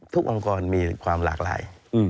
องค์กรมีความหลากหลาย